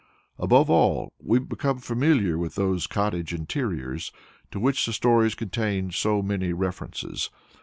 Above all we become familiar with those cottage interiors to which the stories contain so many references.